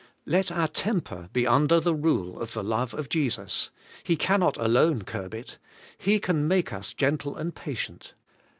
Let our temper be under the rule of the love of Jesus: He can not alone curb it, — He can make us gentle and patient.